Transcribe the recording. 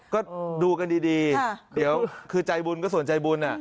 ก็ดูกันดีคือใจบุญก็สนใจบุญ